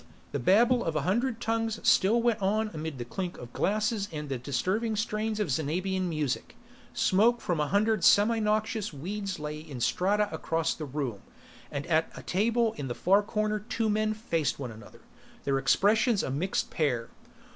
The babble of a hundred tongues still went on amid the clink of glasses and the disturbing strains of Xanabian music. Smoke from a hundred semi noxious weeds lay in strata across the room, and at a table in the far corner two men faced one another, their expressions a mixed pair.